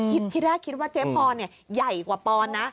ที่แรกคิดว่าเจ๊พรใหญ่กว่าปอนนะ